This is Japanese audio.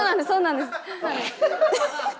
そうなんです。